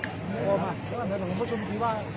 มันก็ไม่ต่างจากที่นี่นะครับ